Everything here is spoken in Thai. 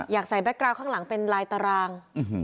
อยากใส่แก๊กกราวข้างหลังเป็นลายตาราง